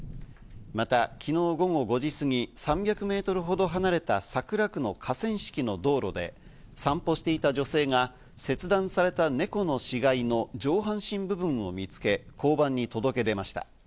また昨日午後５時すぎ、３００メートルほど離れた桜区の河川敷の道路で、散歩していた女性が切断された猫の死骸の上半身部分を見つけ、交番に届け出ました。